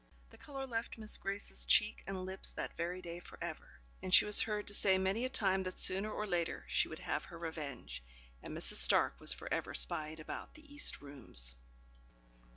The colour left Miss Grace's cheek and lips that very day for ever, and she was heard to say many a time that sooner or later she would have her revenge; and Mrs. Stark was for ever spying about the east rooms.